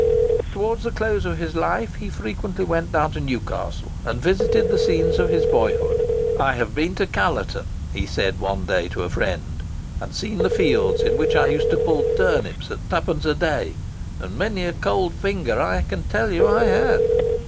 Towards the close of his life he frequently went down to Newcastle, and visited the scenes of his boyhood. "I have been to Callerton," said he one day to a friend, "and seen the fields in which I used to pull turnips at twopence a day; and many a cold finger, I can tell you, I had."